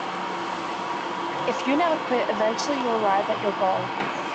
If you never quit, eventually you will arrive at your goal.